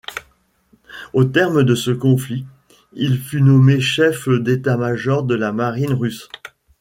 Au terme de ce conflit, il fut nommé chef d'état-major de la marine russe.